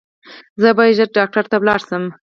زه باید ژر ډاکټر ته ولاړ شم